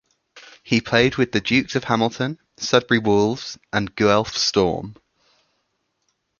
He played with the Dukes of Hamilton, Sudbury Wolves and Guelph Storm.